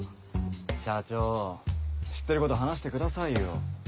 社長知ってること話してくださいよ。